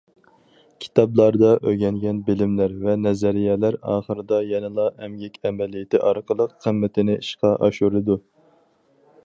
كىتابلاردا ئۆگەنگەن بىلىملەر ۋە نەزەرىيەلەر ئاخىرىدا يەنىلا ئەمگەك ئەمەلىيىتى ئارقىلىق قىممىتىنى ئىشقا ئاشۇرىدۇ.